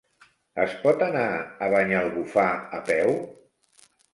Es pot anar a Banyalbufar a peu?